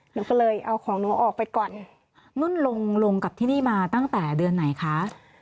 หนูก็เลยเอาของหนูออกไปก่อนนุ่นลงลงกับที่นี่มาตั้งแต่เดือนไหนคะ